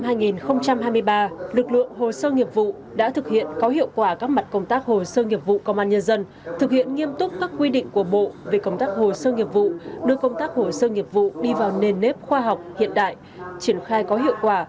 năm hai nghìn hai mươi ba lực lượng hồ sơ nghiệp vụ đã thực hiện có hiệu quả các mặt công tác hồ sơ nghiệp vụ công an nhân dân thực hiện nghiêm túc các quy định của bộ về công tác hồ sơ nghiệp vụ đưa công tác hồ sơ nghiệp vụ đi vào nền nếp khoa học hiện đại triển khai có hiệu quả